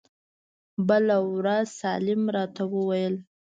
بله ورځ سالم راته وويل.